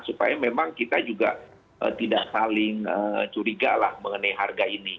supaya memang kita juga tidak saling curiga lah mengenai harga ini